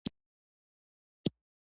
افغانستان د چرګانو د ساتنې یو ښه کوربه دی.